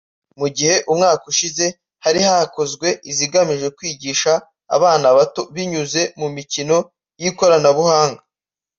mu gihe umwaka ushize hari hakozwe izigamije kwigisha abana bato binyuze mu mikino y’ikoranabuhanga